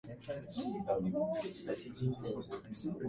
日ごとに車の中の紙の量が増えている気もしたけど、おそらく気のせいだった